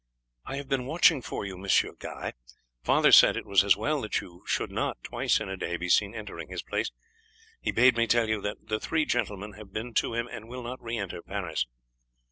"I have been watching for you, Monsieur Guy. Father said it was as well that you should not, twice in a day, be seen entering his place. He bade me tell you that the three gentlemen have been to him and will not re enter Paris."